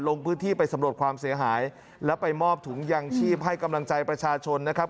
ลงพื้นที่ไปสำรวจความเสียหายแล้วไปมอบถุงยางชีพให้กำลังใจประชาชนนะครับ